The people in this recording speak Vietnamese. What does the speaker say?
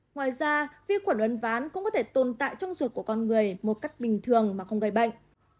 ngoài ra vi khuẩn uấn ván cũng có thể tồn tại trong ruột của con người một cách bình thường mà không gây bệnh